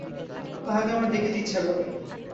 তাহাকে আমার দেখিতে ইচ্ছা করে।